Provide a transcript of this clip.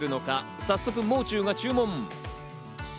早速、もう中が注文。